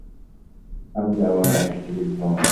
আমি যাবো না এই স্টুপিড ভ্রমনে।